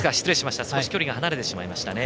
少し距離が離れてしまいましたね。